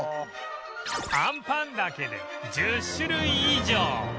あんぱんだけで１０種類以上